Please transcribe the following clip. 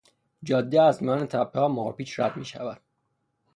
جاده از میان تپههای مارپیچ رد میشود.